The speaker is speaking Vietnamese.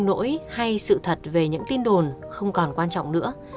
lỗi hay sự thật về những tin đồn không còn quan trọng nữa